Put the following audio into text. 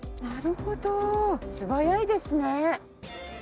なるほど素早いですね！